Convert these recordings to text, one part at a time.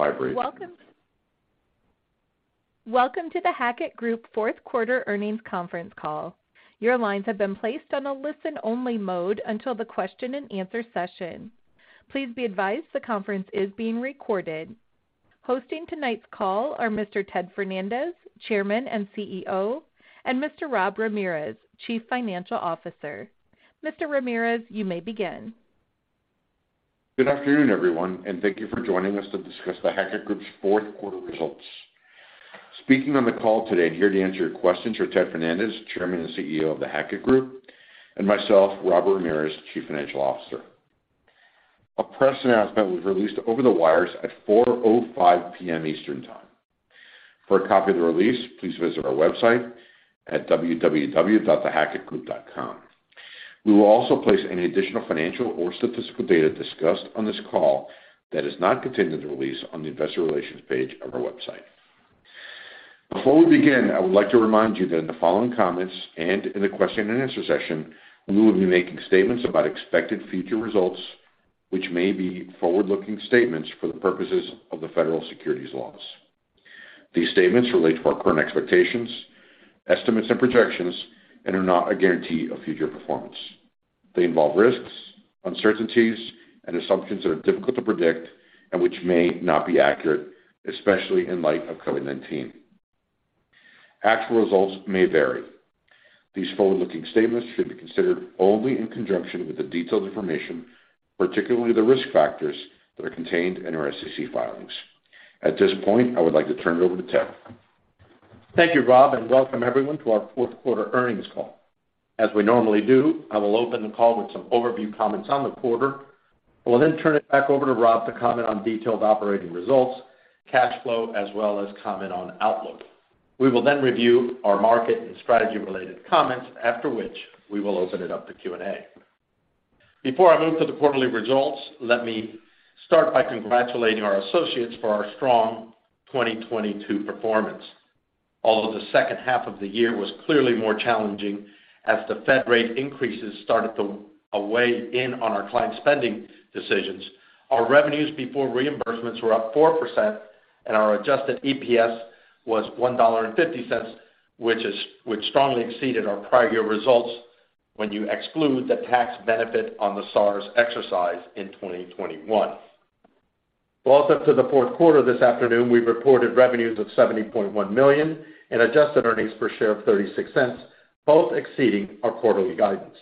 Welcome to The Hackett Group fourth quarter earnings conference call. Your lines have been placed on a listen-only mode until the question-and-answer session. Please be advised the conference is being recorded. Hosting tonight's call are Mr. Ted Fernandez, Chairman and CEO, and Mr. Robert Ramirez, Chief Financial Officer. Mr. Ramirez, you may begin. Good afternoon, everyone, and thank you for joining us to discuss The Hackett Group's fourth quarter results. Speaking on the call today and here to answer your questions are Ted Fernandez, Chairman and CEO of The Hackett Group, and myself, Rob Ramirez, Chief Financial Officer. A press announcement was released over the wires at 4:05 P.M. Eastern Time. For a copy of the release, please visit our website at www.thehackettgroup.com. We will also place any additional financial or statistical data discussed on this call that is not contained in the release on the Investor Relations page of our website. Before we begin, I would like to remind you that in the following comments and in the question-and-answer session, we will be making statements about expected future results, which may be forward-looking statements for the purposes of the Federal securities laws. These statements relate to our current expectations, estimates, and projections and are not a guarantee of future performance. They involve risks, uncertainties, and assumptions that are difficult to predict and which may not be accurate, especially in light of COVID-19. Actual results may vary. These forward-looking statements should be considered only in conjunction with the detailed information, particularly the risk factors, that are contained in our SEC filings. At this point, I would like to turn it over to Ted. Thank you, Rob, welcome everyone to our fourth quarter earnings call. As we normally do, I will open the call with some overview comments on the quarter. I will turn it back over to Rob to comment on detailed operating results, cash flow, as well as comment on outlook. We will review our market and strategy related comments, after which we will open it up to Q&A. Before I move to the quarterly results, let me start by congratulating our associates for our strong 2022 performance. Although the second half of the year was clearly more challenging as the Fed rate increases started to weigh in on our client spending decisions, our revenues before reimbursements were up 4% and our adjusted EPS was $1.50, which strongly exceeded our prior year results when you exclude the tax benefit on the SARs exercise in 2021. Well, up to the fourth quarter this afternoon, we've reported revenues of $70.1 million and adjusted earnings per share of $0.36, both exceeding our quarterly guidance.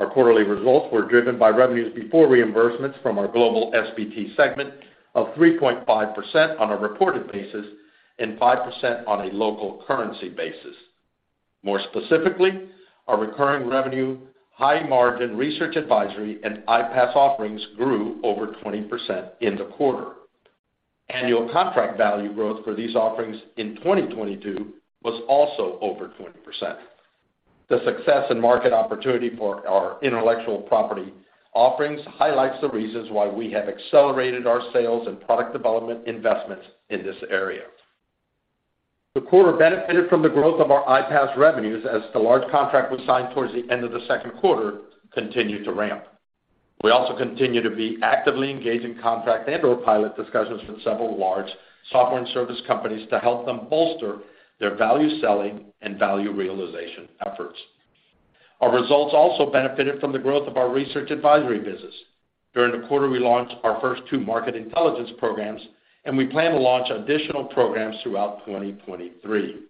Our quarterly results were driven by revenues before reimbursements from our Global S&BT segment of 3.5% on a reported basis and 5% on a local currency basis. More specifically, our recurring revenue, high margin research advisory, and IPaaS offerings grew over 20% in the quarter. Annual contract value growth for these offerings in 2022 was also over 20%. The success and market opportunity for our intellectual property offerings highlights the reasons why we have accelerated our sales and product development investments in this area. The quarter benefited from the growth of our IPaaS revenues as the large contract was signed towards the end of the second quarter continued to ramp. We also continue to be actively engaged in contract and/or pilot discussions with several large software and service companies to help them bolster their value selling and value realization efforts. Our results also benefited from the growth of our research advisory business. During the quarter, we launched our first two market intelligence programs, and we plan to launch additional programs throughout 2023.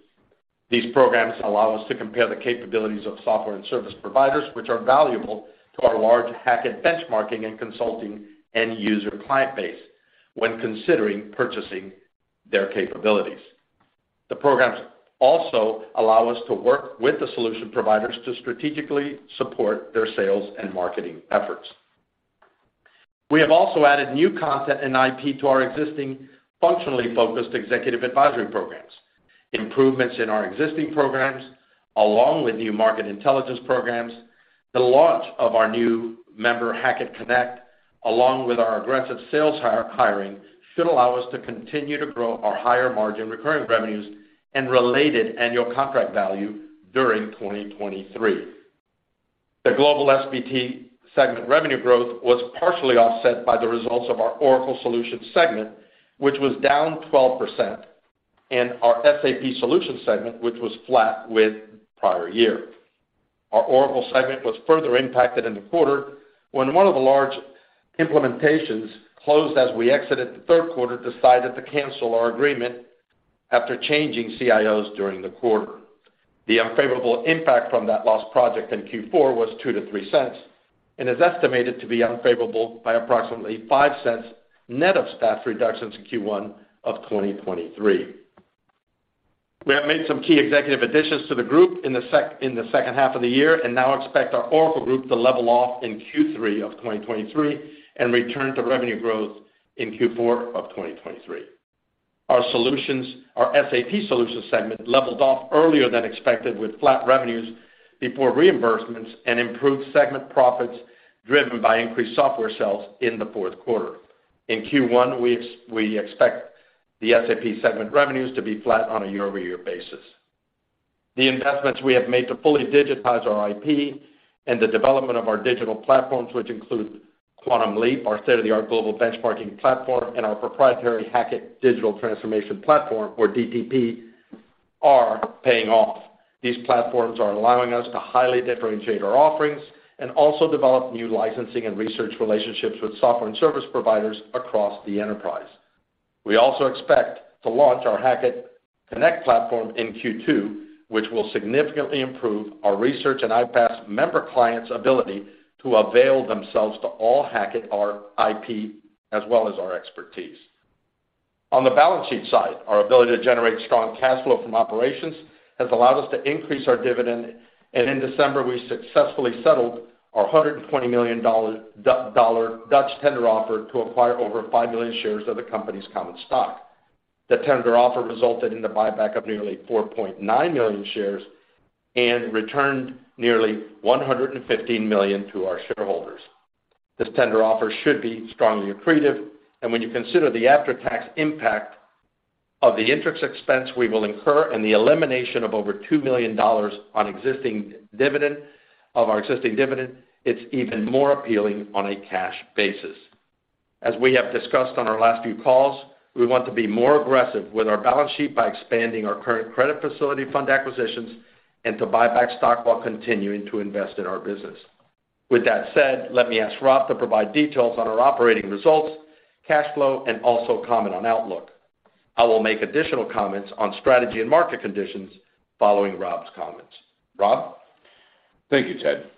These programs allow us to compare the capabilities of software and service providers, which are valuable to our large Hackett benchmarking and consulting end user client base when considering purchasing their capabilities. The programs also allow us to work with the solution providers to strategically support their sales and marketing efforts. We have also added new content and IP to our existing functionally focused executive advisory programs. Improvements in our existing programs, along with new market intelligence programs, the launch of our new member Hackett Connect, along with our aggressive sales hiring, should allow us to continue to grow our higher margin recurring revenues and related Annual Contract Value during 2023. The Global S&BT segment revenue growth was partially offset by the results of our Oracle Solutions segment, which was down 12%, and our SAP Solutions segment, which was flat with prior year. Our Oracle segment was further impacted in the quarter when one of the large implementations closed as we exited the third quarter, decided to cancel our agreement after changing CIOs during the quarter. The unfavorable impact from that lost project in Q4 was $0.02-$0.03 and is estimated to be unfavorable by approximately $0.05 net of staff reductions in Q1 of 2023. We have made some key executive additions to the group in the second half of the year and now expect our Oracle group to level off in Q3 of 2023 and return to revenue growth in Q4 of 2023. Our SAP Solutions segment leveled off earlier than expected with flat revenues before reimbursements and improved segment profits driven by increased software sales in the fourth quarter. In Q1, we expect the SAP segment revenues to be flat on a year-over-year basis. The investments we have made to fully digitize our IP and the development of our digital platforms, which include Quantum Leap, our state-of-the-art global benchmarking platform, and our proprietary Hackett Digital Transformation Platform, or DTP, are paying off. These platforms are allowing us to highly differentiate our offerings and also develop new licensing and research relationships with software and service providers across the enterprise. We also expect to launch our Hackett Connect platform in Q2, which will significantly improve our research and IPaaS member clients' ability to avail themselves to all Hackett our IP as well as our expertise. On the balance sheet side, our ability to generate strong cash flow from operations has allowed us to increase our dividend. In December, we successfully settled our $120 million Dutch auction tender offer to acquire over 5 million shares of the company's common stock. The tender offer resulted in the buyback of nearly 4.9 million shares and returned nearly $115 million to our shareholders. This tender offer should be strongly accretive. When you consider the after-tax impact of the interest expense we will incur and the elimination of over $2 million of our existing dividend, it's even more appealing on a cash basis. We have discussed on our last few calls, we want to be more aggressive with our balance sheet by expanding our current credit facility fund acquisitions and to buy back stock while continuing to invest in our business. With that said, let me ask Rob to provide details on our operating results, cash flow, and also comment on outlook. I will make additional comments on strategy and market conditions following Rob's comments. Rob? Thank you, Ted.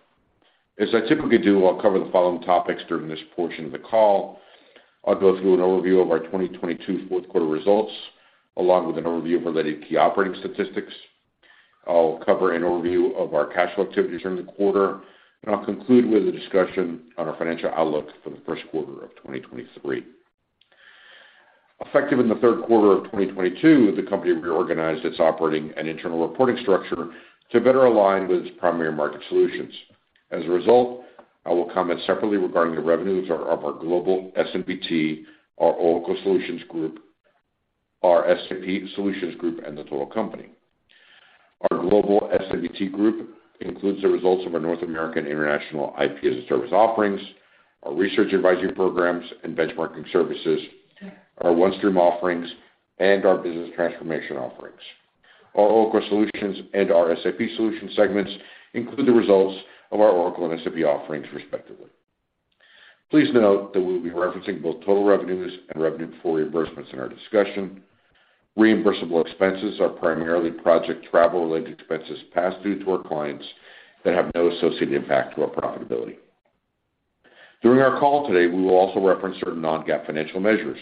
As I typically do, I'll cover the following topics during this portion of the call. I'll go through an overview of our 2022 fourth quarter results, along with an overview of related key operating statistics. I'll cover an overview of our cash flow activities during the quarter, and I'll conclude with a discussion on our financial outlook for the first quarter of 2023. Effective in the third quarter of 2022, the company reorganized its operating and internal reporting structure to better align with its primary market solutions. As a result, I will comment separately regarding the revenues of our Global S&BT, our Oracle Solutions Group, our SAP Solutions Group, and the total company. Our Global S&BT Group includes the results of our North American International IP-as-a-Service offerings, our research advisory programs and benchmarking services, our OneStream offerings, and our business transformation offerings. Our Oracle Solutions and our SAP Solutions segments include the results of our Oracle and SAP offerings, respectively. Please note that we'll be referencing both total revenues and revenue before reimbursements in our discussion. Reimbursable expenses are primarily project travel-related expenses passed through to our clients that have no associated impact to our profitability. During our call today, we will also reference certain non-GAAP financial measures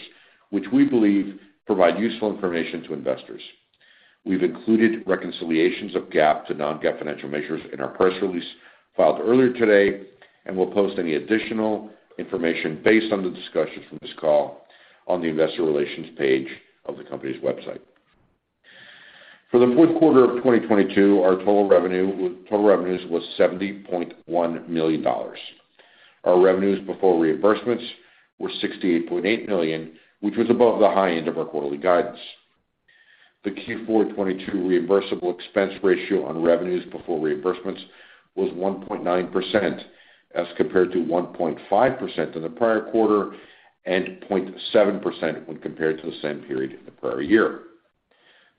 which we believe provide useful information to investors. We've included reconciliations of GAAP to non-GAAP financial measures in our press release filed earlier today, and we'll post any additional information based on the discussions from this call on the Investor Relations page of the company's website. For the fourth quarter of 2022, our total revenues was $70.1 million. Our revenues before reimbursements were $68.8 million, which was above the high end of our quarterly guidance. The Q4 2022 reimbursable expense ratio on revenues before reimbursements was 1.9% as compared to 1.5% in the prior quarter and 0.7% when compared to the same period in the prior year.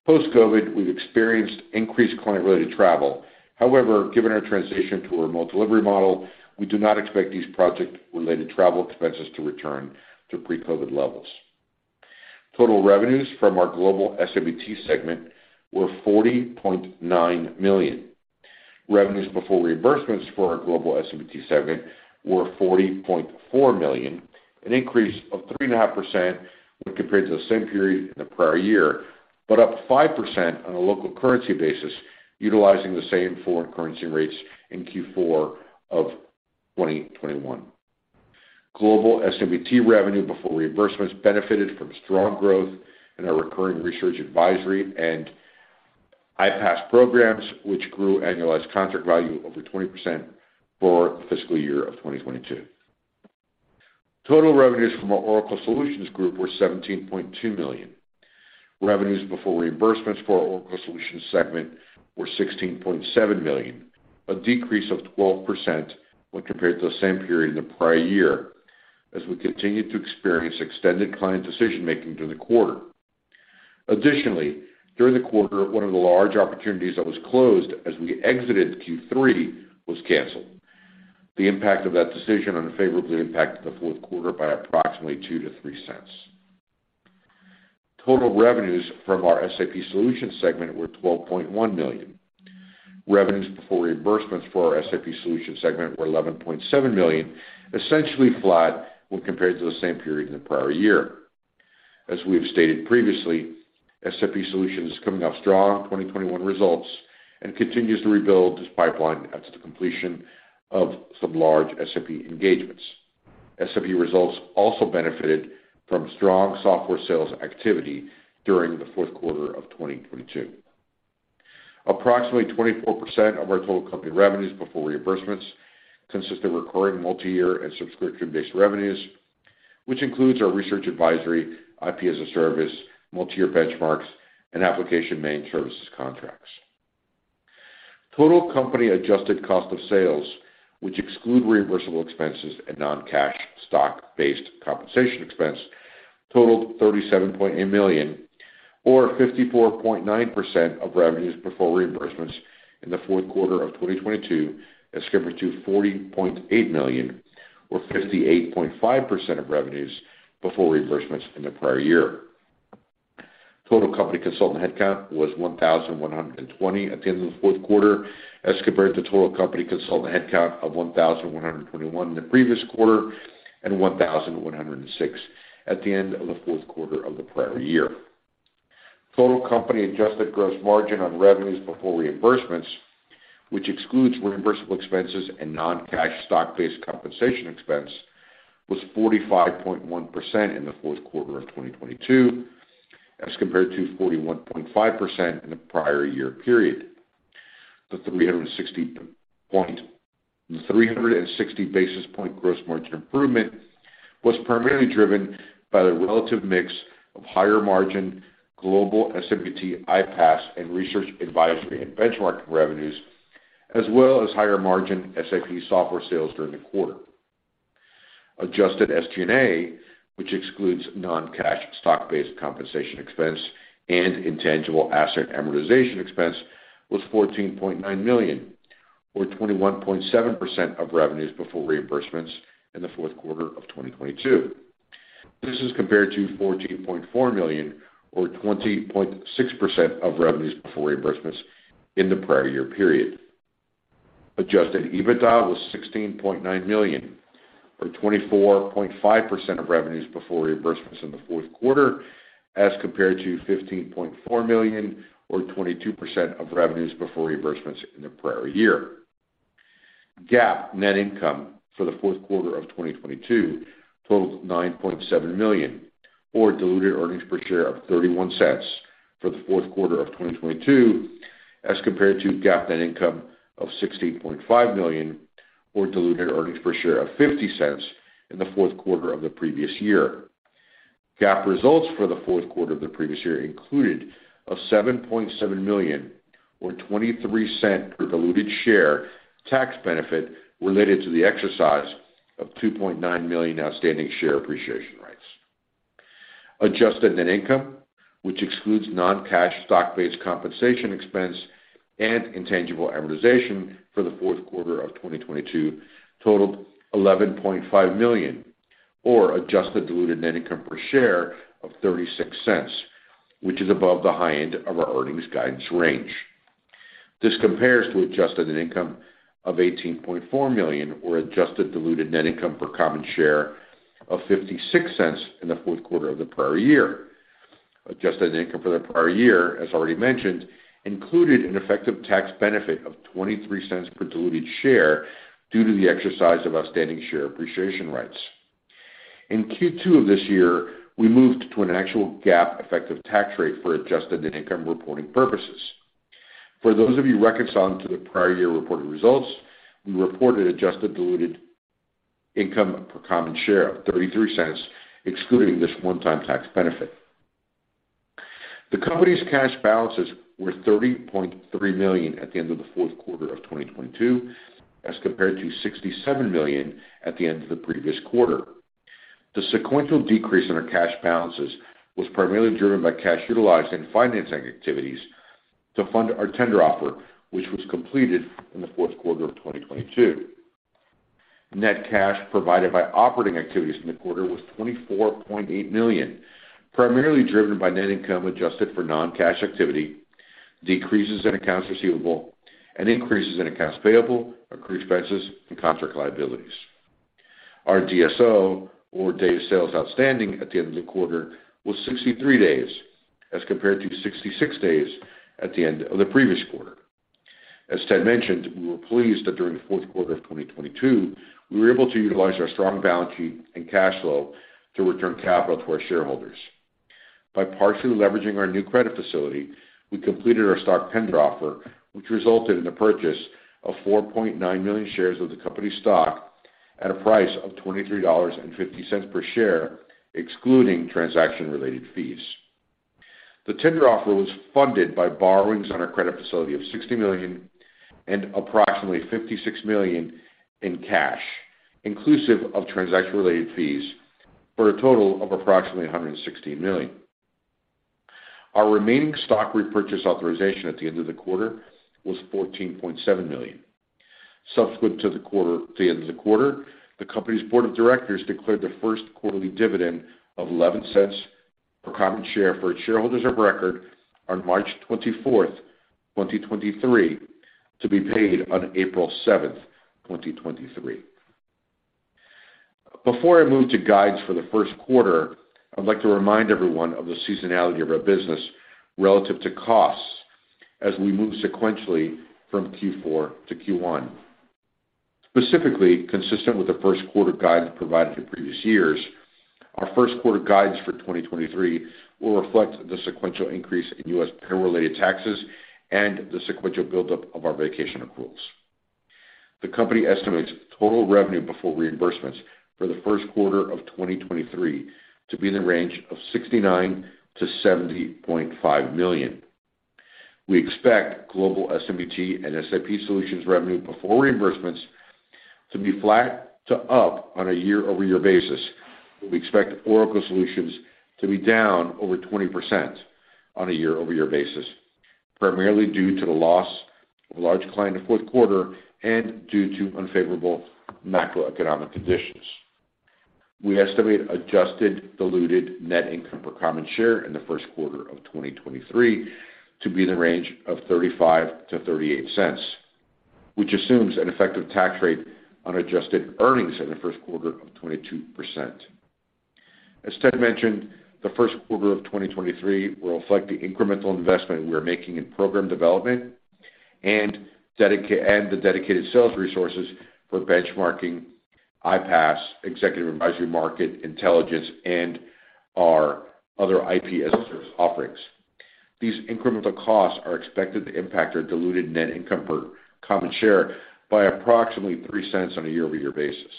Post-COVID, we've experienced increased client-related travel. Given our transition to a remote delivery model, we do not expect these project-related travel expenses to return to pre-COVID levels. Total revenues from our Global S&BT segment were $40.9 million. Revenues before reimbursements for our Global S&BT segment were $40.4 million, an increase of 3.5% when compared to the same period in the prior year. Up 5% on a local currency basis, utilizing the same foreign currency rates in Q4 2021. Global S&BT revenue before reimbursements benefited from strong growth in our recurring research advisory and IPaaS programs, which grew annualized contract value over 20% for the fiscal year of 2022. Total revenues from our Oracle Solutions Group were $17.2 million. Revenues before reimbursements for our Oracle Solutions segment were $16.7 million, a decrease of 12% when compared to the same period in the prior year, as we continued to experience extended client decision-making during the quarter. Additionally, during the quarter, one of the large opportunities that was closed as we exited Q3 was canceled. The impact of that decision unfavorably impacted the fourth quarter by approximately $0.02-$0.03. Total revenues from our SAP Solutions segment were $12.1 million. Revenues before reimbursements for our SAP Solutions segment were $11.7 million, essentially flat when compared to the same period in the prior year. As we have stated previously, SAP Solutions is coming off strong 2021 results and continues to rebuild its pipeline after the completion of some large SAP engagements. SAP results also benefited from strong software sales activity during the fourth quarter of 2022. Approximately 24% of our total company revenues before reimbursements consist of recurring multi-year and subscription-based revenues, which includes our research advisory, IP-as-a-Service, multi-year benchmarks, and application main services contracts. Total company adjusted cost of sales, which exclude reimbursable expenses and non-cash stock-based compensation expense, totaled $37.8 million or 54.9% of revenues before reimbursements in the fourth quarter of 2022 as compared to $40.8 million or 58.5% of revenues before reimbursements in the prior year. Total company consultant headcount was 1,120 at the end of the fourth quarter as compared to total company consultant headcount of 1,121 the previous quarter and 1,106 at the end of the fourth quarter of the prior year. Total company adjusted gross margin on revenues before reimbursements, which excludes reimbursable expenses and non-cash stock-based compensation expense, was 45.1% in the fourth quarter of 2022, as compared to 41.5% in the prior year period. The 360 basis point gross margin improvement was primarily driven by the relative mix of higher margin Global S&BT IPaaS and research advisory and benchmark revenues, as well as higher margin SAP software sales during the quarter. Adjusted SG&A, which excludes non-cash stock-based compensation expense and intangible asset amortization expense, was $14.9 million or 21.7% of revenues before reimbursements in the fourth quarter of 2022. This is compared to $14.4 million or 20.6% of revenues before reimbursements in the prior year period. Adjusted EBITDA was $16.9 million or 24.5% of revenues before reimbursements in the fourth quarter as compared to $15.4 million or 22% of revenues before reimbursements in the prior year. GAAP net income for the fourth quarter of 2022 totaled $9.7 million or diluted earnings per share of $0.31 for the fourth quarter of 2022 as compared to GAAP net income of $16.5 million or diluted earnings per share of $0.50 in the fourth quarter of the previous year. GAAP results for the fourth quarter of the previous year included a $7.7 million or $0.23 per diluted share tax benefit related to the exercise of 2.9 million outstanding share appreciation rights. Adjusted net income, which excludes non-cash stock-based compensation expense and intangible amortization for the fourth quarter of 2022 totaled $11.5 million or adjusted diluted net income per share of $0.36, which is above the high end of our earnings guidance range. This compares to adjusted net income of $18.4 million or adjusted diluted net income per common share of $0.56 in the fourth quarter of the prior year. Adjusted net income for the prior year, as already mentioned, included an effective tax benefit of $0.23 per diluted share due to the exercise of outstanding share appreciation rights. In Q2 of this year, we moved to an actual GAAP effective tax rate for adjusted net income reporting purposes. For those of you reconciling to the prior year reported results, we reported adjusted diluted income per common share of $0.33, excluding this one-time tax benefit. The company's cash balances were $30.3 million at the end of the fourth quarter of 2022, as compared to $67 million at the end of the previous quarter. The sequential decrease in our cash balances was primarily driven by cash utilized in financing activities to fund our tender offer, which was completed in the fourth quarter of 2022. Net cash provided by operating activities in the quarter was $24.8 million, primarily driven by net income adjusted for non-cash activity, decreases in accounts receivable, and increases in accounts payable, accrued expenses, and contract liabilities. Our DSO, or days sales outstanding, at the end of the quarter was 63 days as compared to 66 days at the end of the previous quarter. As Ted mentioned, we were pleased that during the fourth quarter of 2022, we were able to utilize our strong balance sheet and cash flow to return capital to our shareholders. By partially leveraging our new credit facility, we completed our stock tender offer, which resulted in the purchase of 4.9 million shares of the company's stock at a price of $23.50 per share, excluding transaction-related fees. The tender offer was funded by borrowings on our credit facility of $60 million and approximately $56 million in cash, inclusive of transaction-related fees, for a total of approximately $116 million. Our remaining stock repurchase authorization at the end of the quarter was $14.7 million. Subsequent to the quarter, the end of the quarter, the company's board of directors declared the first quarterly dividend of $0.11 per common share for its shareholders of record on March 24th, 2023, to be paid on April 7th, 2023. Before I move to guides for the first quarter, I'd like to remind everyone of the seasonality of our business relative to costs as we move sequentially from Q4 to Q1. Specifically, consistent with the first quarter guidance provided in previous years, our first quarter guidance for 2023 will reflect the sequential increase in U.S. payroll-related taxes and the sequential buildup of our vacation accruals. The company estimates total revenue before reimbursements for the first quarter of 2023 to be in the range of $69 million-$70.5 million. We expect Global S&BT and SAP solutions revenue before reimbursements to be flat to up on a year-over-year basis. We expect Oracle Solutions to be down over 20% on a year-over-year basis, primarily due to the loss of a large client in the fourth quarter and due to unfavorable macroeconomic conditions. We estimate adjusted diluted net income per common share in the first quarter of 2023 to be in the range of $0.35-$0.38, which assumes an effective tax rate on adjusted earnings in the first quarter of 22%. As Ted mentioned, the first quarter of 2023 will reflect the incremental investment we are making in program development and the dedicated sales resources for benchmarking IPaaS, executive advisory market intelligence, and our other IP-as-a-Service offerings. These incremental costs are expected to impact our diluted net income per common share by approximately $0.03 on a year-over-year basis.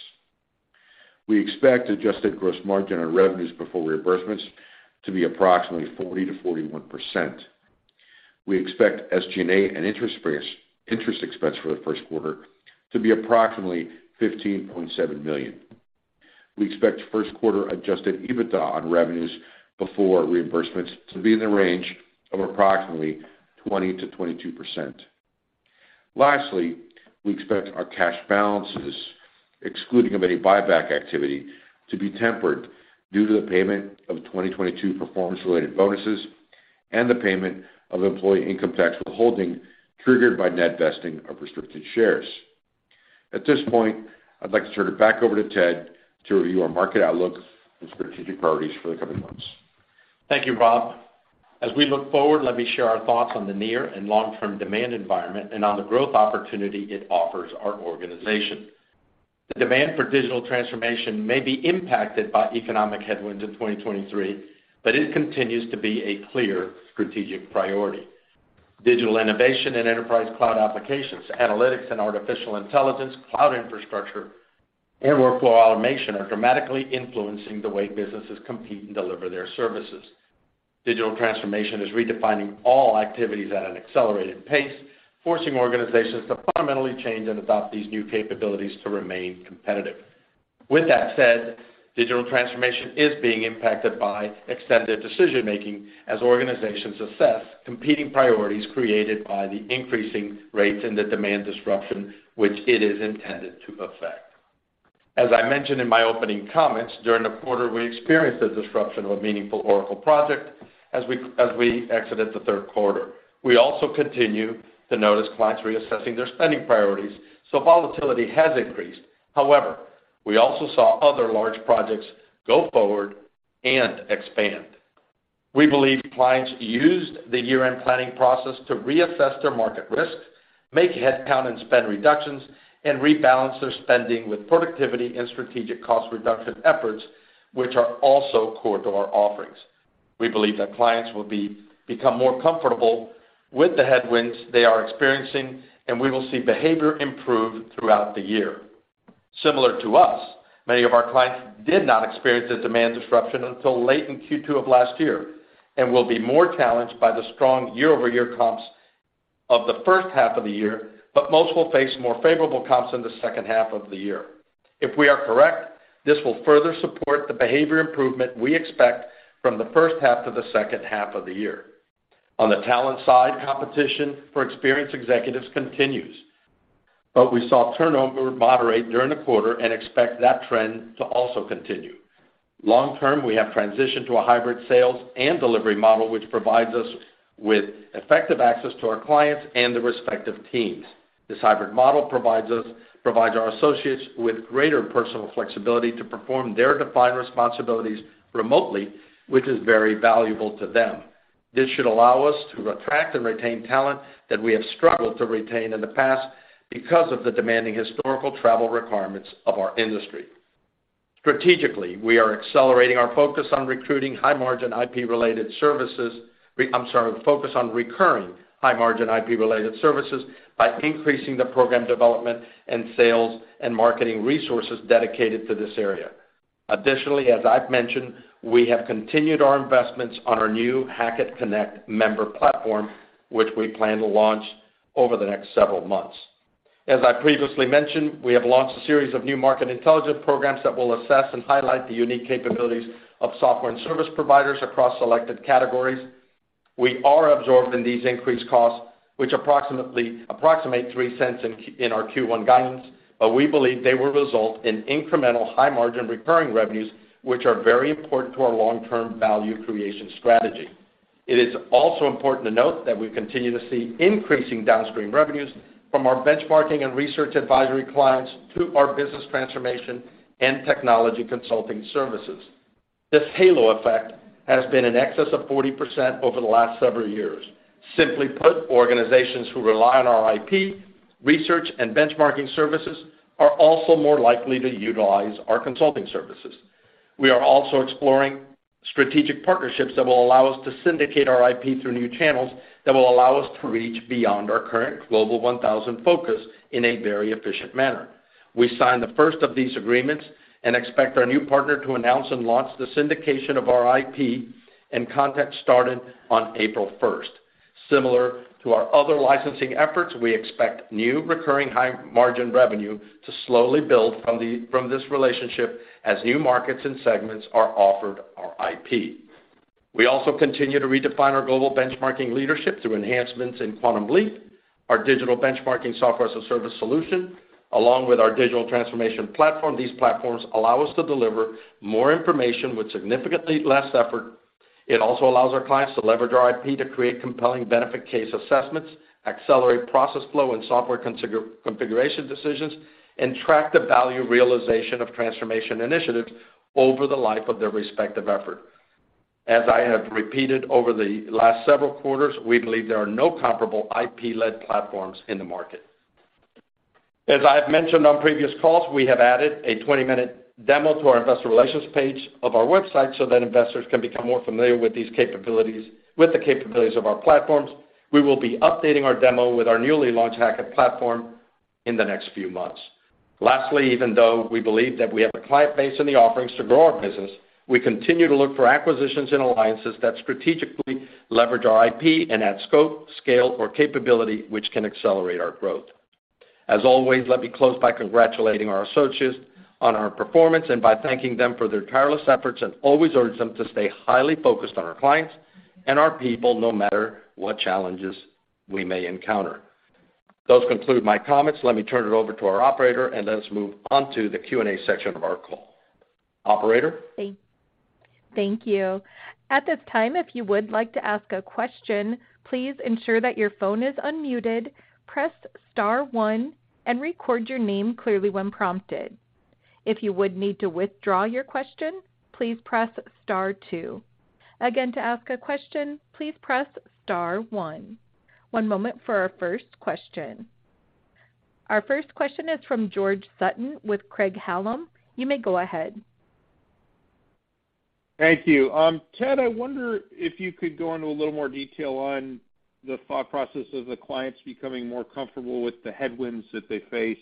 We expect adjusted gross margin on revenues before reimbursements to be approximately 40%-41%. We expect SG&A and interest expense for the first quarter to be approximately $15.7 million. We expect first quarter adjusted EBITDA on revenues before reimbursements to be in the range of approximately 20%-22%. Lastly, we expect our cash balances, excluding of any buyback activity, to be tempered due to the payment of 2022 performance-related bonuses and the payment of employee income tax withholding triggered by net vesting of restricted shares. At this point, I'd like to turn it back over to Ted to review our market outlook and strategic priorities for the coming months. Thank you, Rob. As we look forward, let me share our thoughts on the near and long-term demand environment and on the growth opportunity it offers our organization. The demand for digital transformation may be impacted by economic headwinds in 2023, but it continues to be a clear strategic priority. Digital innovation and enterprise cloud applications, analytics and artificial intelligence, cloud infrastructure, and workflow automation are dramatically influencing the way businesses compete and deliver their services. Digital transformation is redefining all activities at an accelerated pace, forcing organizations to fundamentally change and adopt these new capabilities to remain competitive. With that said, digital transformation is being impacted by extended decision-making as organizations assess competing priorities created by the increasing rates and the demand disruption which it is intended to affect. As I mentioned in my opening comments, during the quarter, we experienced the disruption of a meaningful Oracle project as we exited the third quarter. We also continue to notice clients reassessing their spending priorities, so volatility has increased. However, we also saw other large projects go forward and expand. We believe clients used the year-end planning process to reassess their market risks, make headcount and spend reductions, and rebalance their spending with productivity and strategic cost reduction efforts, which are also core to our offerings. We believe that clients will become more comfortable with the headwinds they are experiencing, and we will see behavior improve throughout the year. Similar to us, many of our clients did not experience the demand disruption until late in Q2 of last year and will be more challenged by the strong year-over-year comps of the first half of the year, but most will face more favorable comps in the second half of the year. If we are correct, this will further support the behavior improvement we expect from the first half to the second half of the year. On the talent side, competition for experienced executives continues. We saw turnover moderate during the quarter and expect that trend to also continue. Long term, we have transitioned to a hybrid sales and delivery model, which provides us with effective access to our clients and the respective teams. This hybrid model provides our associates with greater personal flexibility to perform their defined responsibilities remotely, which is very valuable to them. This should allow us to attract and retain talent that we have struggled to retain in the past because of the demanding historical travel requirements of our industry. Strategically, we are accelerating our focus on recruiting high-margin IP-related services. I'm sorry, focus on recurring high-margin IP-related services by increasing the program development and sales and marketing resources dedicated to this area. Additionally, as I've mentioned, we have continued our investments on our new Hackett Connect member platform, which we plan to launch over the next several months. As I previously mentioned, we have launched a series of new market intelligence programs that will assess and highlight the unique capabilities of software and service providers across selected categories. We are absorbed in these increased costs, which approximate $0.03 in our Q1 guidance. We believe they will result in incremental high-margin recurring revenues, which are very important to our long-term value creation strategy. It is also important to note that we continue to see increasing downstream revenues from our benchmarking and research advisory clients through our business transformation and technology consulting services. This halo effect has been in excess of 40% over the last several years. Simply put, organizations who rely on our IP, research, and benchmarking services are also more likely to utilize our consulting services. We are also exploring strategic partnerships that will allow us to syndicate our IP through new channels that will allow us to reach beyond our current Global 1,000 focus in a very efficient manner. We signed the first of these agreements and expect our new partner to announce and launch the syndication of our IP, and contract started on April 1st. Similar to our other licensing efforts, we expect new recurring high margin revenue to slowly build from this relationship as new markets and segments are offered our IP. We also continue to redefine our global benchmarking leadership through enhancements in Quantum Leap, our digital benchmarking software as a service solution, along with our Digital Transformation Platform. These platforms allow us to deliver more information with significantly less effort. It also allows our clients to leverage our IP to create compelling benefit case assessments, accelerate process flow and software configuration decisions, and track the value realization of transformation initiatives over the life of their respective effort. As I have repeated over the last several quarters, we believe there are no comparable IP-led platforms in the market. As I have mentioned on previous calls, we have added a 20-minute demo to our Investor Relations page of our website so that investors can become more familiar with the capabilities of our platforms. We will be updating our demo with our newly launched Hackett platform in the next few months. Lastly, even though we believe that we have the client base and the offerings to grow our business, we continue to look for acquisitions and alliances that strategically leverage our IP and add scope, scale, or capability which can accelerate our growth. As always, let me close by congratulating our associates on our performance and by thanking them for their tireless efforts, and always urge them to stay highly focused on our clients and our people, no matter what challenges we may encounter. Those conclude my comments. Let me turn it over to our operator and let us move on to the Q&A section of our call. Operator? Thank you. At this time, if you would like to ask a question, please ensure that your phone is unmuted, press star one, and record your name clearly when prompted. If you would need to withdraw your question, please press star two. Again, to ask a question, please press star one. One moment for our first question. Our first question is from George Sutton with Craig-Hallum. You may go ahead. Thank you. Ted, I wonder if you could go into a little more detail on the thought process of the clients becoming more comfortable with the headwinds that they face.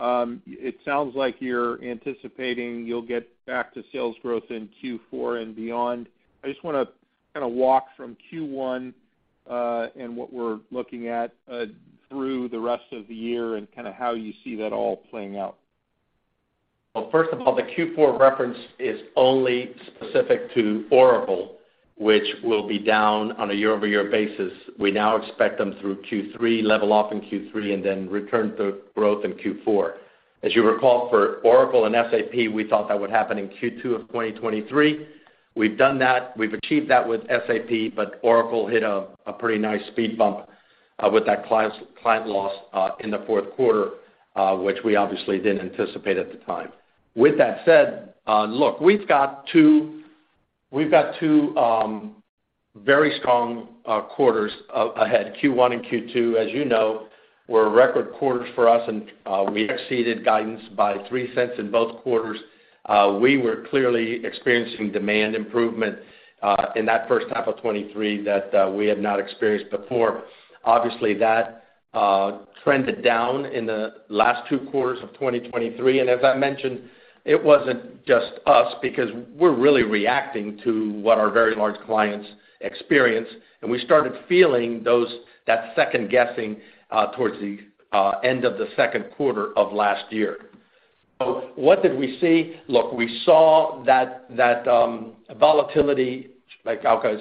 It sounds like you're anticipating you'll get back to sales growth in Q4 and beyond. I just wanna kinda walk from Q1 and what we're looking at through the rest of the year and kinda how you see that all playing out. Well, first of all, the Q4 reference is only specific to Oracle, which will be down on a year-over-year basis. We now expect them through Q3, level off in Q3, and then return to growth in Q4. As you recall, for Oracle and SAP, we thought that would happen in Q2 of 2023. We've done that. We've achieved that with SAP, but Oracle hit a pretty nice speed bump with that client loss in the fourth quarter, which we obviously didn't anticipate at the time. With that said, look, we've got two very strong quarters ahead. Q1 and Q2, as you know, were record quarters for us and we exceeded guidance by $0.03 in both quarters. We were clearly experiencing demand improvement in that first half of 2023 that we had not experienced before. Obviously, that trended down in the last two quarters of 2023. As I mentioned, it wasn't just us because we're really reacting to what our very large clients experience, and we started feeling that second-guessing towards the end of the second quarter of last year. What did we see? Look, we saw that volatility, like a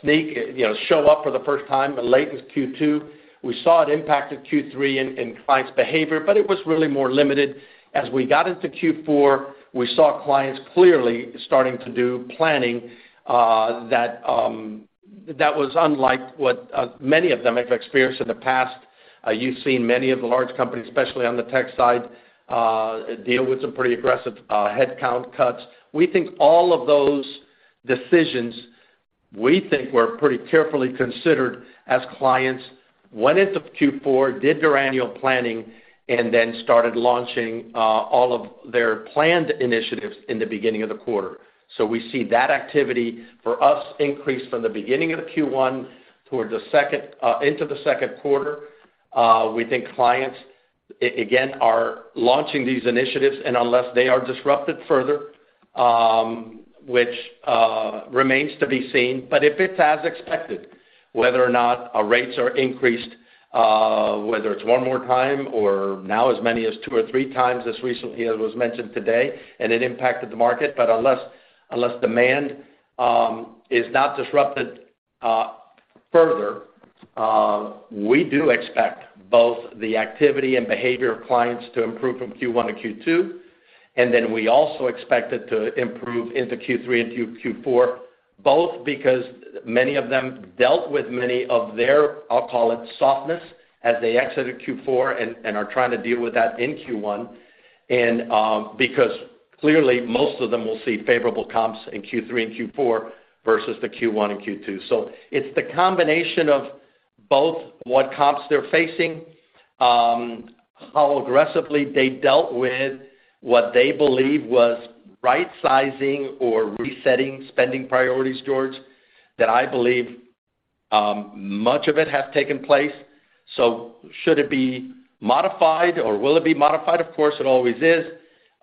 snake, you know, show up for the first time in late Q2. We saw it impact in Q3 in clients' behavior, but it was really more limited. As we got into Q4, we saw clients clearly starting to do planning that was unlike what many of them have experienced in the past. You've seen many of the large companies, especially on the tech side, deal with some pretty aggressive headcount cuts. We think all of those decisions were pretty carefully considered as clients went into Q4, did their annual planning, and then started launching all of their planned initiatives in the beginning of the quarter. We see that activity for us increase from the beginning of the Q1 toward the second into the second quarter. We think clients again are launching these initiatives, and unless they are disrupted further, which remains to be seen, but if it's as expected, whether or not our rates are increased, whether it's one more time or now as many as 2x or 3x as recently as was mentioned today, and it impacted the market. Unless demand is not disrupted further, we do expect both the activity and behavior of clients to improve from Q1 to Q2, then we also expect it to improve into Q3 and Q4, both because many of them dealt with many of their, I'll call it, softness as they exited Q4 and are trying to deal with that in Q1. Because clearly most of them will see favorable comps in Q3 and Q4 versus the Q1 and Q2. It's the combination of both what comps they're facing, how aggressively they dealt with what they believe was rightsizing or resetting spending priorities, George, that I believe much of it has taken place. Should it be modified or will it be modified? Of course, it always is.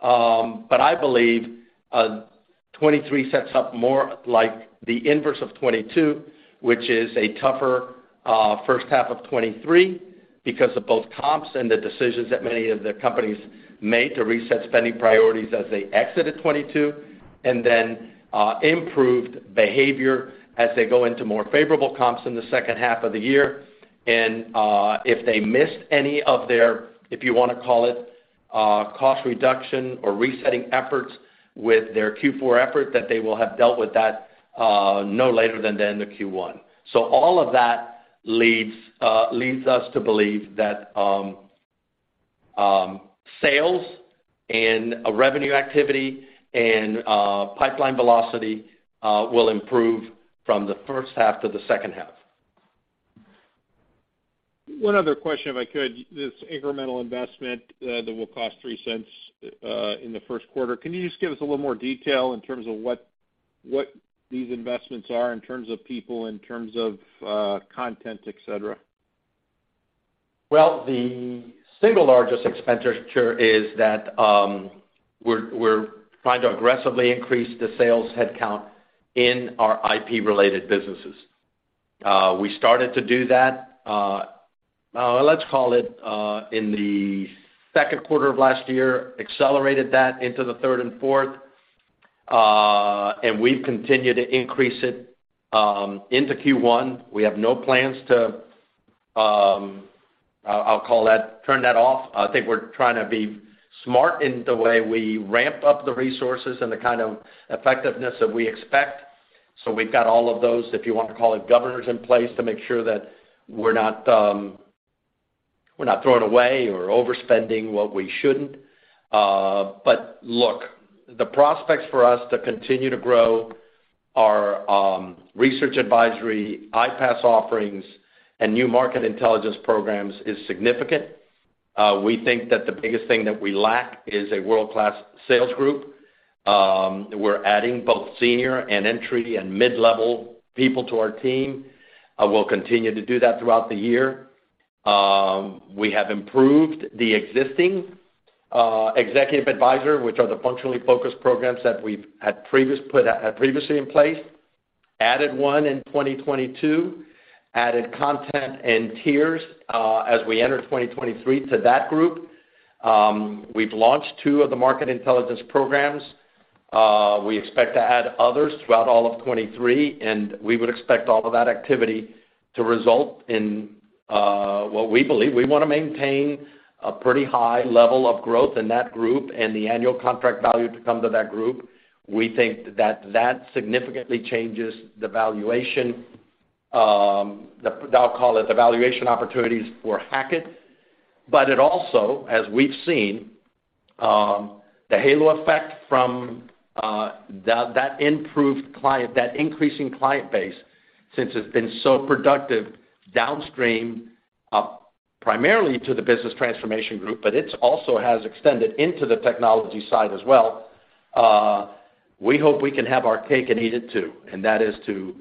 I believe 2023 sets up more like the inverse of 2022, which is a tougher first half of 2023 because of both comps and the decisions that many of the companies made to reset spending priorities as they exited 2022. Improved behavior as they go into more favorable comps in the second half of the year. If they missed any of their, if you wanna call it, cost reduction or resetting efforts with their Q4 effort, that they will have dealt with that no later than the end of Q1. All of that leads us to believe that sales and a revenue activity and pipeline velocity will improve from the first half to the second half. One other question, if I could. This incremental investment, that will cost $0.03, in the first quarter, can you just give us a little more detail in terms of what these investments are in terms of people, in terms of, content, et cetera? Well, the single largest expenditure is that we're trying to aggressively increase the sales headcount in our IP-related businesses. We started to do that, now, let's call it, in the second quarter of last year, accelerated that into the third and fourth. We've continued to increase it into Q1. We have no plans to, I'll call that, turn that off. I think we're trying to be smart in the way we ramp up the resources and the kind of effectiveness that we expect. We've got all of those, if you want to call it, governors in place to make sure that we're not, we're not throwing away or overspending what we shouldn't. Look, the prospects for us to continue to grow our research advisory, IPaaS offerings, and new market intelligence programs is significant. We think that the biggest thing that we lack is a world-class sales group. We're adding both senior and entry and mid-level people to our team. We'll continue to do that throughout the year. We have improved the existing executive advisor, which are the functionally focused programs that we've had previously in place. Added one in 2022, added content and tiers as we enter 2023 to that group. We've launched two of the market intelligence programs. We expect to add others throughout all of 2023, and we would expect all of that activity to result in what we believe we wanna maintain a pretty high level of growth in that group and the Annual Contract Value to come to that group. We think that that significantly changes the valuation, I'll call it the valuation opportunities for Hackett. It also, as we've seen, the halo effect from that improved client, that increasing client base since it's been so productive downstream, primarily to the business transformation group, but it also has extended into the technology side as well. We hope we can have our cake and eat it too, and that is to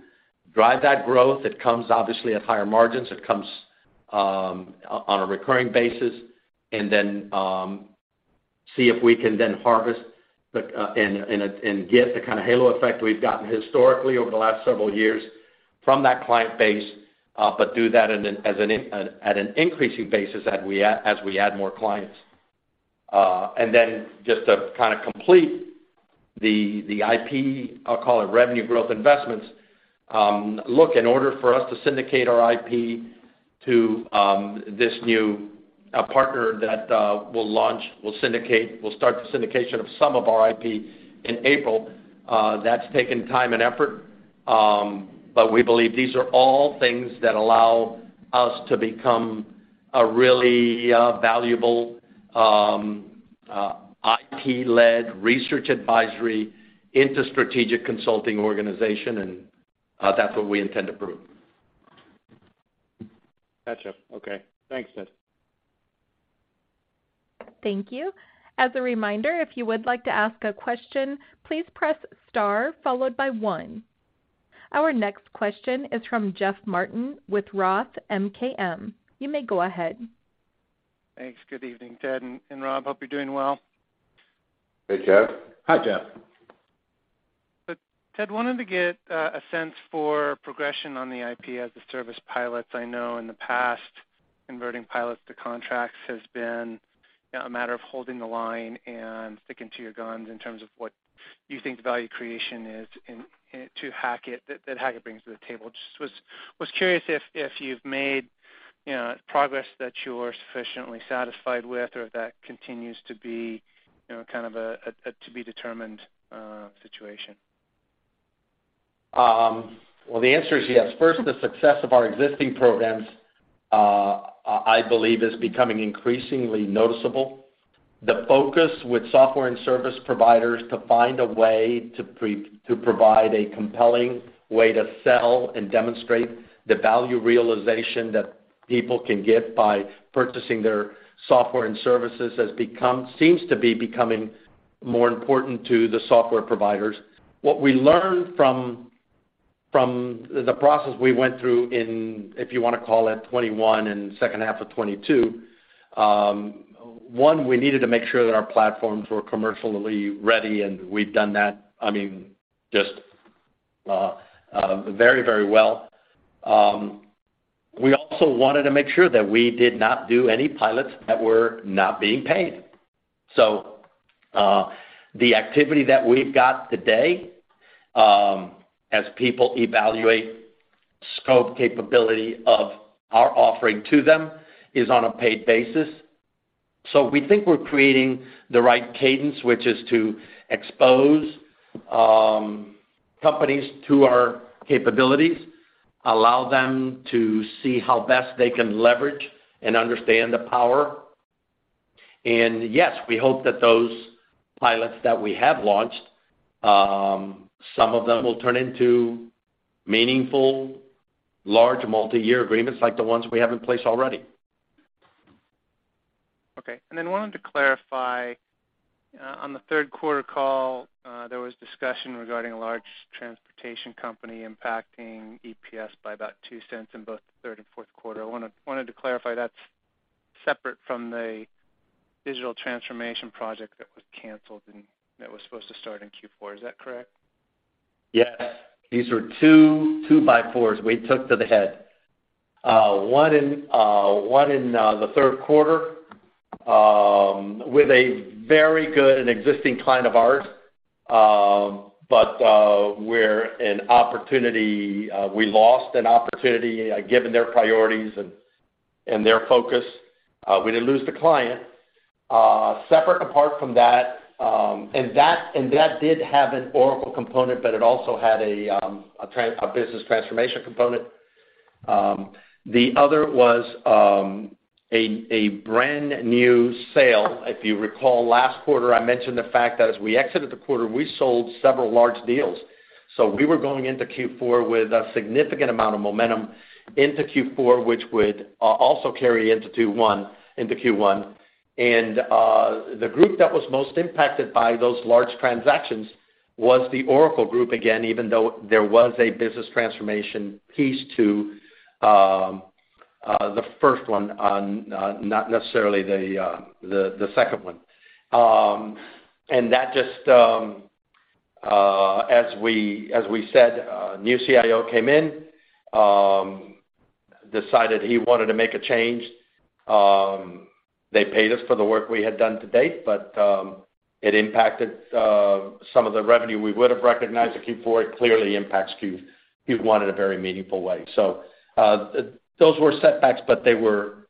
drive that growth. It comes obviously at higher margins. It comes on a recurring basis. Then, see if we can then harvest the and get the kinda halo effect we've gotten historically over the last several years from that client base, but do that at an increasing basis as we add more clients. Then just to kind of complete the IP, I'll call it revenue growth investments. Look, in order for us to syndicate our IP to, this new, partner that, will launch, will syndicate, will start the syndication of some of our IP in April, that's taken time and effort. We believe these are all things that allow us to become a really, valuable, IP-led research advisory into strategic consulting organization, and that's what we intend to prove. Gotcha. Okay. Thanks, Ted. Thank you. As a reminder, if you would like to ask a question, please press star followed by one. Our next question is from Jeff Martin with ROTH MKM. You may go ahead. Thanks. Good evening, Ted and Rob. Hope you're doing well. Hey, Jeff. Hi, Jeff. Ted, wanted to get a sense for progression on the IP as the service pilots. I know in the past, converting pilots to contracts has been, you know, a matter of holding the line and sticking to your guns in terms of what you think the value creation is in to Hackett, that Hackett brings to the table. Just was curious if you've made, you know, progress that you are sufficiently satisfied with or if that continues to be, you know, kind of a to be determined situation? Well, the answer is yes. First, the success of our existing programs, I believe is becoming increasingly noticeable. The focus with software and service providers to find a way to provide a compelling way to sell and demonstrate the value realization that people can get by purchasing their software and services seems to be becoming more important to the software providers. What we learned from the process we went through in, if you wanna call it 2021 and second half of 2022, one, we needed to make sure that our platforms were commercially ready, and we've done that. I mean, just very, very well. We also wanted to make sure that we did not do any pilots that were not being paid. The activity that we've got today, as people evaluate scope capability of our offering to them, is on a paid basis. We think we're creating the right cadence, which is to expose companies to our capabilities, allow them to see how best they can leverage and understand the power. Yes, we hope that those pilots that we have launched, some of them will turn into meaningful, large multiyear agreements like the ones we have in place already. Wanted to clarify, on the third quarter call, there was discussion regarding a large transportation company impacting EPS by about $0.02 in both the third and fourth quarter. Wanted to clarify that's separate from the Digital Transformation project that was canceled and that was supposed to start in Q4. Is that correct? Yes. These were two by fours we took to the head. One in, one in the third quarter, with a very good and existing client of ours, where we lost an opportunity, given their priorities and their focus. We didn't lose the client. Separate apart from that, and that did have an Oracle component, but it also had a business transformation component. The other was a brand-new sale. If you recall last quarter, I mentioned the fact that as we exited the quarter, we sold several large deals. We were going into Q4 with a significant amount of momentum into Q4, which would also carry into 2021, into Q1. The group that was most impacted by those large transactions was the Oracle group, again, even though there was a business transformation piece to the first one on, not necessarily the second one. That just, as we said, a new CIO came in, decided he wanted to make a change. They paid us for the work we had done to date, but it impacted some of the revenue we would have recognized in Q4. It clearly impacts Q1 in a very meaningful way. Those were setbacks, but they were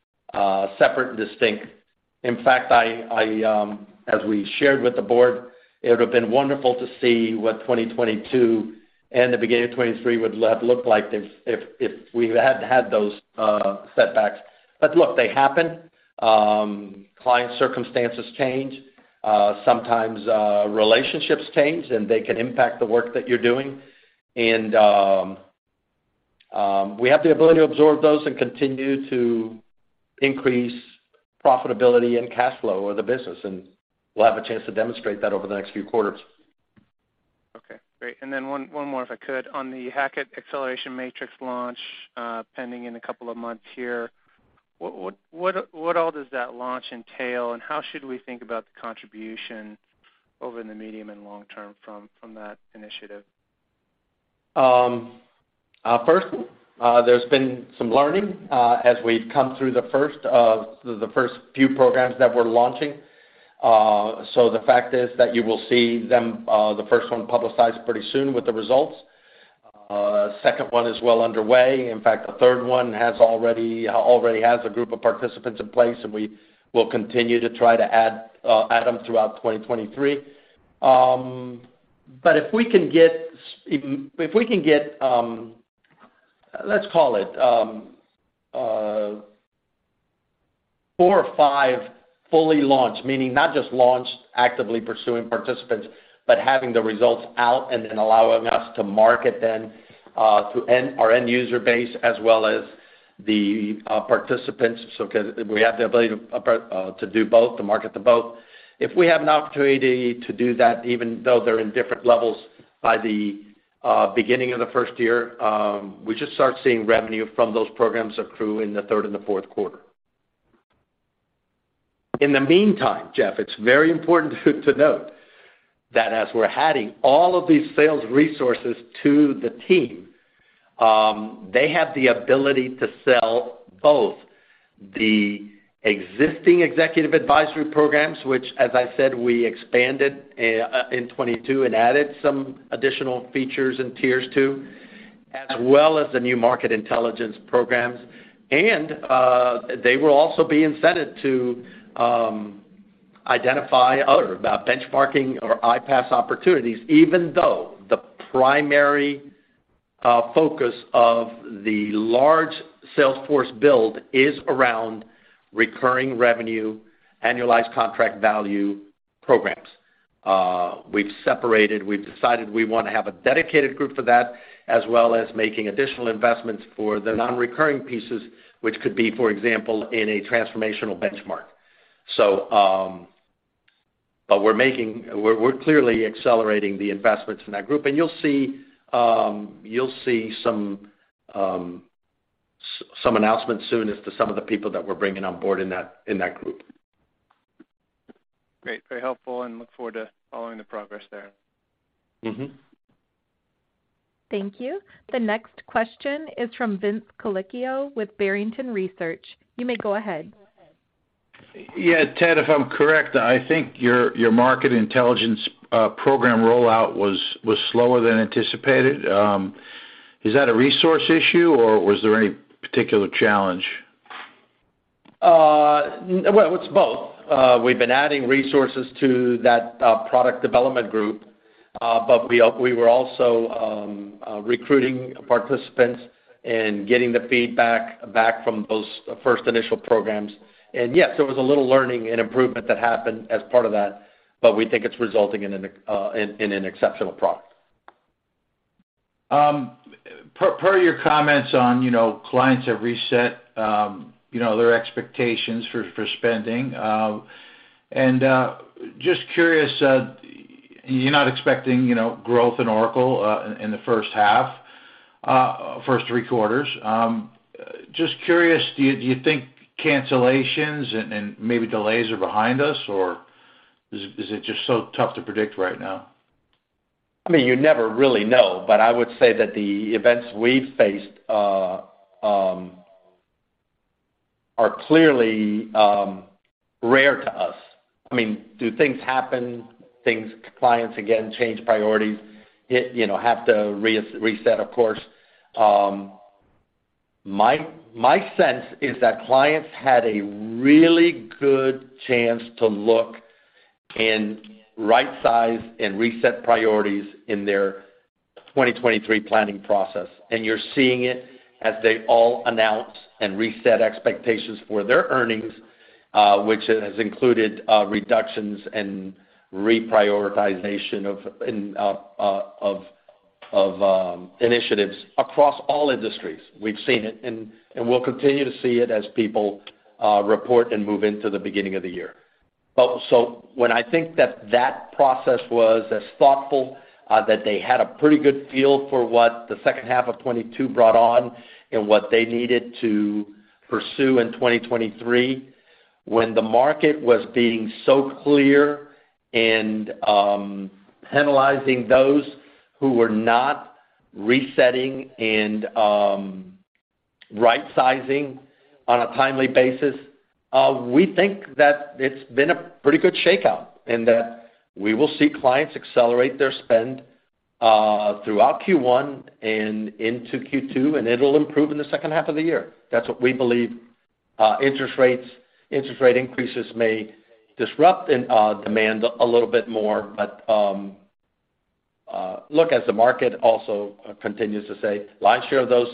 separate and distinct. In fact, I, as we shared with the board, it would have been wonderful to see what 2022 and the beginning of 2023 would have looked like if we hadn't had those setbacks. Look, they happen. Client circumstances change. Sometimes, relationships change, and they can impact the work that you're doing. We have the ability to absorb those and continue to increase profitability and cash flow of the business, and we'll have a chance to demonstrate that over the next few quarters. Okay, great. One more, if I could. On the Hackett Acceleration Matrix launch, pending in a couple of months here, what all does that launch entail, and how should we think about the contribution over in the medium and long term from that initiative? First, there's been some learning as we've come through the first few programs that we're launching. The fact is that you will see them, the first one publicized pretty soon with the results. Second one is well underway. In fact, a third one has already has a group of participants in place, and we will continue to try to add them throughout 2023. If we can get, let's call it, four or five fully launched, meaning not just launched actively pursuing participants, but having the results out and then allowing us to market them to our end user base as well as the participants, 'cause we have the ability to do both, to market to both. If we have an opportunity to do that, even though they're in different levels by the beginning of the first year, we just start seeing revenue from those programs accrue in the third and the fourth quarter. In the meantime, Jeff, it's very important to note that as we're adding all of these sales resources to the team, they have the ability to sell both the existing executive advisory programs, which, as I said, we expanded in 2022 and added some additional features and tiers too, as well as the new market intelligence programs. They will also be incented to identify other benchmarking or IPaaS opportunities, even though the primary focus of the large sales force build is around recurring revenue, Annual Contract Value programs. We've separated. We've decided we wanna have a dedicated group for that, as well as making additional investments for the non-recurring pieces, which could be, for example, in a transformational benchmark. We're clearly accelerating the investments in that group, and you'll see, you'll see some announcements soon as to some of the people that we're bringing on board in that, in that group. Great. Very helpful. Look forward to following the progress there. Mm-hmm. Thank you. The next question is from Vince Colicchio with Barrington Research. You may go ahead. Yeah. Ted, if I'm correct, I think your market intelligence program rollout was slower than anticipated. Is that a resource issue, or was there any particular challenge? Well, it's both. We've been adding resources to that product development group, but we were also recruiting participants and getting the feedback back from those first initial programs. Yes, there was a little learning and improvement that happened as part of that, but we think it's resulting in an exceptional product. Per your comments on, you know, clients have reset, you know, their expectations for spending. Just curious, you're not expecting, you know, growth in Oracle in the first half, first three quarters. Just curious, do you think cancellations and maybe delays are behind us, or is it just so tough to predict right now? I mean, you never really know, but I would say that the events we've faced are clearly rare to us. I mean, do things happen? Things clients, again, change priorities, it, you know, have to re-reset, of course. My sense is that clients had a really good chance to look and right size and reset priorities in their 2023 planning process, and you're seeing it as they all announce and reset expectations for their earnings, which has included reductions and reprioritization of initiatives across all industries. We've seen it, and we'll continue to see it as people report and move into the beginning of the year. When I think that that process was as thoughtful, that they had a pretty good feel for what the second half of 2022 brought on and what they needed to pursue in 2023, when the market was being so clear and penalizing those who were not resetting and right-sizing on a timely basis, we think that it's been a pretty good shakeout and that we will see clients accelerate their spend throughout Q1 and into Q2, and it'll improve in the second half of the year. That's what we believe. Interest rates, interest rate increases may disrupt in demand a little bit more. Look, as the market also continues to say, lion's share of those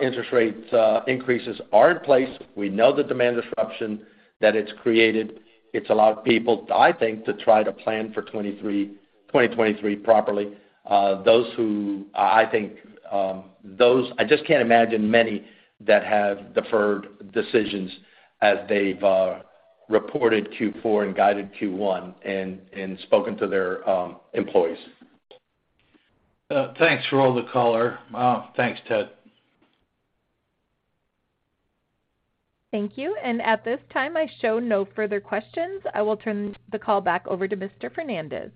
interest rates increases are in place. We know the demand disruption that it's created. It's allowed people, I think, to try to plan for 2023 properly. I just can't imagine many that have deferred decisions as they've reported Q4 and guided Q1 and spoken to their employees. Thanks for all the color. Thanks, Ted. Thank you. At this time I show no further questions. I will turn the call back over to Mr. Fernandez.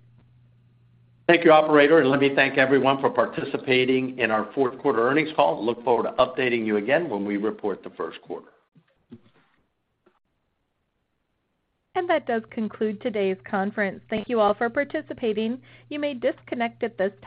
Thank you, operator, and let me thank everyone for participating in our fourth quarter earnings call. Look forward to updating you again when we report the first quarter. That does conclude today's conference. Thank you all for participating. You may disconnect at this time.